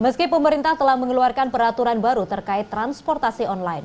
meski pemerintah telah mengeluarkan peraturan baru terkait transportasi online